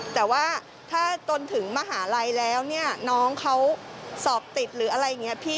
แต่ว่าถ้าจนถึงมหาลัยแล้วเนี่ยน้องเขาสอบติดหรืออะไรอย่างนี้พี่